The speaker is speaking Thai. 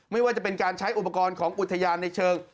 ไม่ว่าจะเป็นการใช้อุปกรณ์ของอุทยานในเชิง